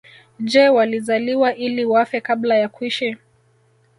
Je walizaliwa ili wafe kabla ya kuishi